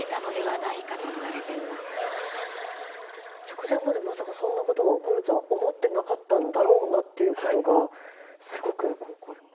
直前までまさかそんなことが起こるとは思ってなかったんだろうなっていうことがすごくよく分かる。